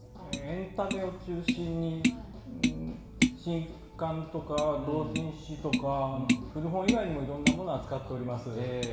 エンタメを中心に新刊とか同人誌とか古本以外にいろんなものを扱っております。